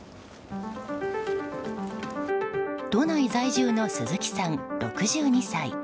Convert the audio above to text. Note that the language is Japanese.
都内在住の鈴木さん、６２歳。